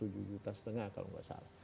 tujuh juta setengah kalau nggak salah